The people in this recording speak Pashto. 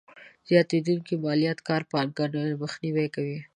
زياتېدونکې ماليات کار پانګونه مخنیوی کوي.